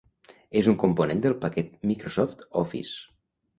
És un component del paquet Microsoft Office.